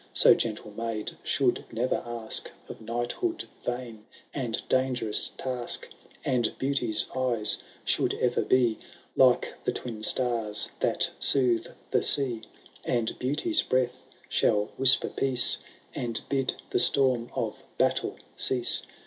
So gentle maid should never ask Of knighthood vain and dangerous task ; And Beauty^s eyes should ever be Like the twin stars that soothe the sea. And Beauty^s breath shall whisper peace. And bid the storm of battle cease.